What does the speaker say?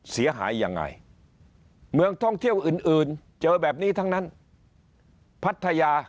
เสียหายยังไงเมืองท่องเที่ยวอื่นอื่นเจอแบบนี้ทั้งนั้นพัทยา